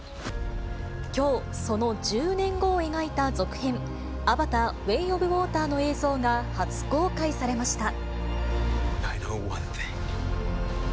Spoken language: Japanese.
きょう、その１０年後を描いた続編、アバター・ウェイ・オブ・ウォーターの映像が初公開されました。